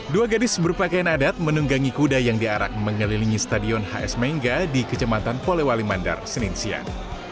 dua gadis berpakaian adat menunggangi kuda yang diarak mengelilingi stadion hs mengga di kejematan polewali mandar senin siang